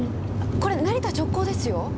これ成田直行ですよ！？